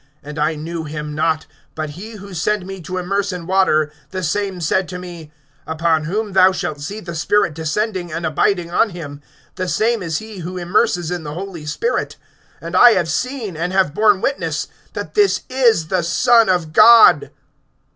(33)And I knew him not; but he who sent me to immerse in water, the same said to me: Upon whom thou shalt see the Spirit descending, and abiding on him, the same is he who immerses in the Holy Spirit. (34)And I have seen, and have borne witness, that this is the Son of God.